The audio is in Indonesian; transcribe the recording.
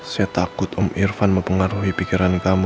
saya takut om irfan mempengaruhi pikiran kamu